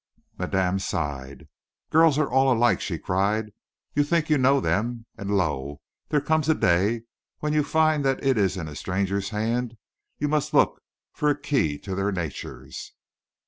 Madame sighed. "Girls are all alike," she cried. "You think you know them, and lo! there comes a day when you find that it is in a stranger's hand you must look for a key to their natures."